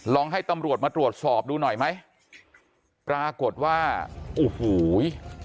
ให้ตำรวจมาตรวจสอบดูหน่อยไหมปรากฏว่าโอ้โห